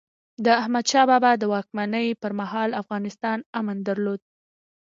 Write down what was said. د احمد شاه بابا د واکمنۍ پرمهال، افغانستان امن درلود.